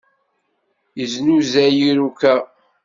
Yeznuzay iruka.